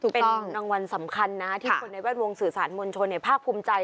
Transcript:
เป็นรางวัลสำคัญนะที่คนในแวดวงสื่อสารมวลชนภาคภูมิใจ